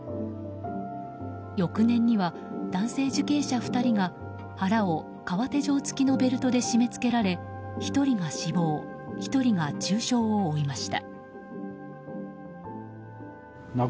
翌年には、男性受刑者２人が腹を革手錠付きのベルトで締め付けられ、１人が死亡１人が重傷を負いました。